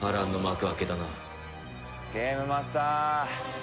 ゲームマスター。